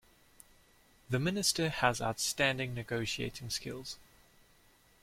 The minister has outstanding negotiating skills.